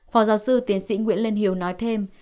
phó giáo sư tiến sĩ nguyễn lên hiếu nói thêm